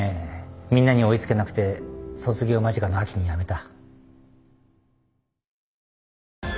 みんなに追い付けなくて卒業間近の秋に辞めた。